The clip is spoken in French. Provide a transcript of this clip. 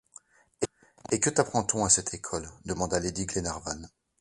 Et que t’apprend-on à cette école? demanda lady Glenarvan.